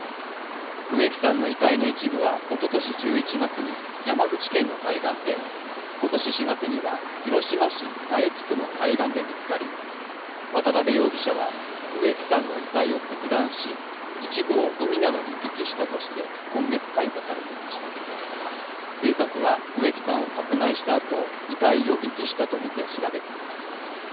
植木さんの遺体の一部はおととし１１月に山口県の海岸で、今年４月には広島市佐伯区の海岸で見つかり渡部容疑者は植木さんの遺体を切断し警察は植木さんを殺害したあと遺体を遺棄したとみて調べています。